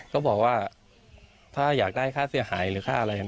ก็บอกว่าถ้าอยากได้ค่าเสียหายหรือค่าอะไร